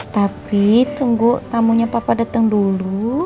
tapi tunggu tamunya papa datang dulu